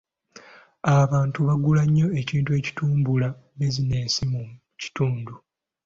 Abantu bagula nnyo ekintu ekitumbula bizinensi mu kitundu.